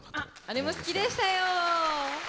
あれも好きでしたよ。